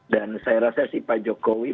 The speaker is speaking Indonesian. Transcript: dan saya rasa si pak jokowi